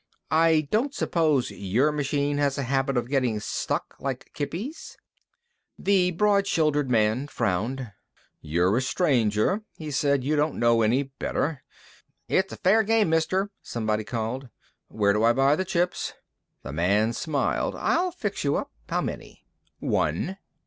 "I don't suppose your machine has a habit of getting stuck, like Kippy's?" The broad shouldered man frowned. "You're a stranger," he said, "You don't know any better." "It's a fair game, Mister," someone called. "Where do I buy the chips?" The man smiled. "I'll fix you up. How many?" "One."